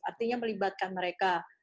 artinya melibatkan mereka